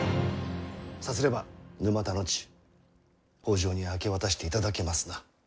さすれば沼田の地北条に明け渡していただけますな？